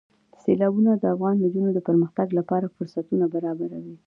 سیلابونه د افغان نجونو د پرمختګ لپاره فرصتونه برابروي.